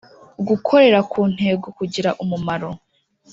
Gukorera ku ntego kugira umumaro